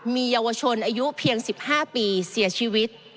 มีเยาวชนอายุเพียง๑๕ปีเสียชีวิต